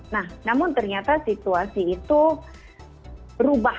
nah namun ternyata situasi itu berubah